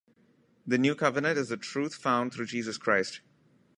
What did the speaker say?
The New Covenant is the truth found through Jesus Christ.